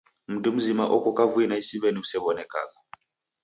Mndu mzima oko kavui na isiw'eni usew'onekagha.